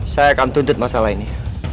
saya akan tuntut masalah ini